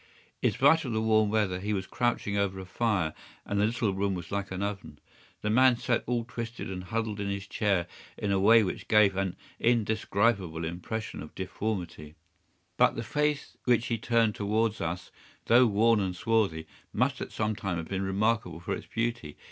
In spite of the warm weather he was crouching over a fire, and the little room was like an oven. The man sat all twisted and huddled in his chair in a way which gave an indescribable impression of deformity; but the face which he turned towards us, though worn and swarthy, must at some time have been remarkable for its beauty.